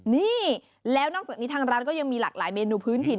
นี่แล้วนอกจากนี้ทางร้านก็ยังมีหลากหลายเมนูพื้นถิ่น